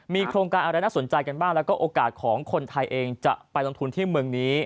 มีโครงการอะไรน่าสนใจกันบ้างแล้วก็โอกาสของคนไทยเองจะไปลงทุนที่เมืองนี้